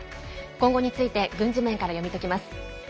今後について軍事面から読み解きます。